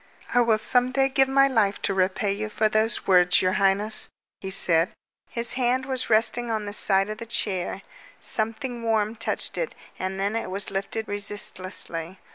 "I will some day give my life to repay you for those words, your highness," he said. Her hand was resting on the side of the chair. Something warm touched it, and then it was lifted resistlessly.